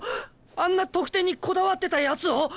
あんな得点にこだわってたやつを！？